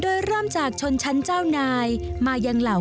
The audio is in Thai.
โดยเริ่มจากชนชั้นเจ้านายมาอย่างเหล่าขภพดีเป็นธรรมเนียมการให้ของขวัญแก่กัน